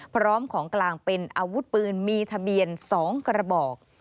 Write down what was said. พร้อมของกลางเป็นอาวุธปืนมีทะเบียน๒กระบอก